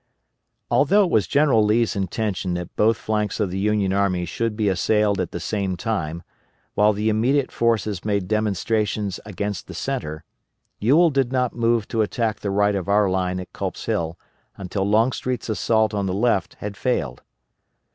Although it was General Lee's intention that both flanks of the Union army should be assailed at the same time, while the intermediate forces made demonstrations against the centre, Ewell did not move to attack the right of our line at Culp's Hill until Longstreet's assault on the left had failed.